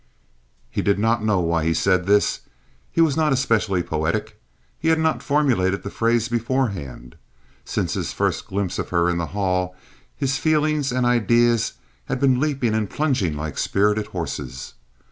He did not know why he said this. He was not especially poetic. He had not formulated the phrase beforehand. Since his first glimpse of her in the hall, his feelings and ideas had been leaping and plunging like spirited horses.